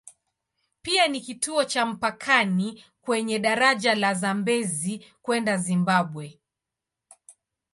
Pia ni kituo cha mpakani kwenye daraja la Zambezi kwenda Zimbabwe.